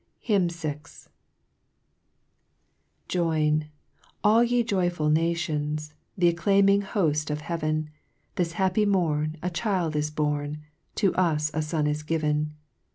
HYMN VI. ] TOIN, all ye joyful nations, O IV acclaiming holt of heaven. This happy mor J is born, To us a Son is given.